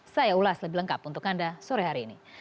saya ulas lebih lengkap untuk anda sore hari ini